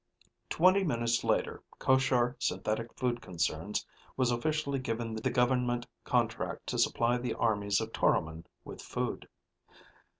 Twenty minutes later, Koshar Synthetic Food Concerns was officially given the government contract to supply the armies of Toromon with food.